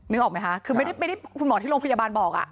นึกออกไหมคะคือไม่ได้คุณหมอที่โรงพยาบาลบอก